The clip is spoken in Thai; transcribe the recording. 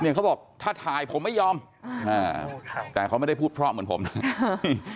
เนี่ยเขาบอกถ้าถ่ายผมไม่ยอมแต่เขาไม่ได้พูดพร่อมเหมือนผมนะครับ